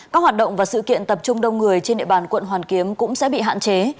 các hoạt động và sự kiện tập trung đông người trên địa bàn quận hoàn kiếm cũng sẽ bị hạn chế